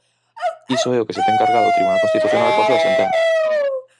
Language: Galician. Iso é o que se ten cargado o Tribunal Constitucional coa súa sentenza.